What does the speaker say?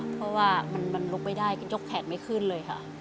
เพราะว่ามันลุกไม่ได้ก็ยกแขนไม่ขึ้นเลยค่ะ